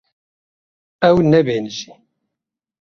Ew nebêhnijî.